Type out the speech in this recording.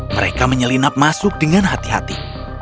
mereka menyelinap masuk dengan hati hati